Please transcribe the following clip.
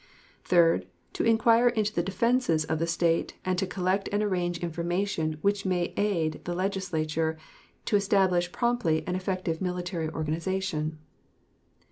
Third. To inquire into the defenses of the State, and to collect and arrange information which may aid the Legislature to establish promptly an effective military organization.